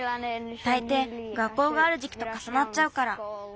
たいてい学校があるじきとかさなっちゃうから。